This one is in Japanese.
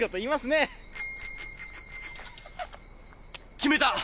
決めた。